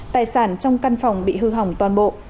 tài sản trong căn phòng bị hư hỏng toàn bộ